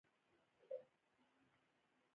د محمدشریف خان عسکرو ته یې ماته ورکړه.